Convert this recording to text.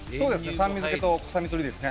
酸味付けと臭み取りですね